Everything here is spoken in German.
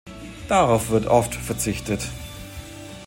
Darauf wird oft verzichtet.